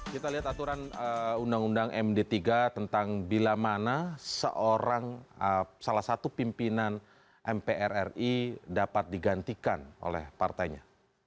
kita lihat aturan undang undang md tiga tentang bila mana seorang salah satu pimpinan mpr ri dapat digantikan oleh partainya